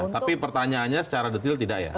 tapi pertanyaannya secara detail tidak ya